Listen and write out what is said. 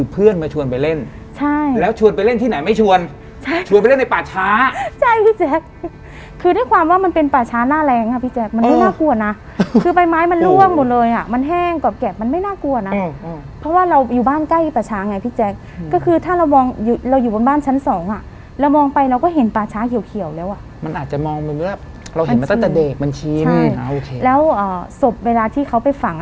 พี่ชวนชวนไปเล่นในป่าช้าใช่พี่แจ๊กคือได้ความว่ามันเป็นป่าช้าน่าแรงค่ะพี่แจ๊กมันไม่น่ากลัวนะคือใบไม้มันร่วมหมดเลยอะมันแห้งกรอบแกะมันไม่น่ากลัวนะเพราะว่าเราอยู่บ้านใกล้ป่าช้าไงพี่แจ๊กก็คือถ้าเรามองเราอยู่บนบ้านชั้นสองอะเรามองไปเราก็เห็นป่าช้าเขียวแล้วอะมันอาจจะมองมันเวลาเราเห็น